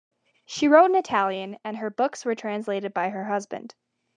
She wrote in Italian and her books were translated by her husband.